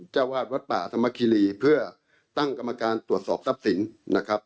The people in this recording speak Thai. เจ้าวาดวัดป่าธรรมคิรีเพื่อตั้งกรรมการตรวจสอบทรัพย์สินนะครับ